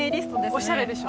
おしゃれでしょ。